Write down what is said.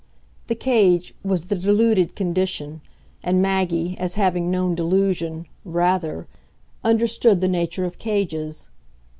The cage was the deluded condition, and Maggie, as having known delusion rather! understood the nature of cages.